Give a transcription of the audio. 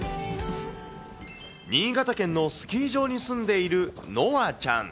新潟県のスキー場に住んでいるのあちゃん。